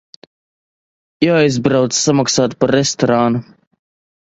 Jāaizbrauc samaksāt par restorānu.